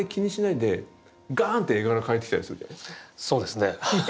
そうですね。